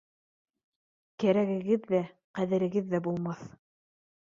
Кәрәгегеҙ ҙә, ҡәҙерегеҙ ҙә булмаҫ.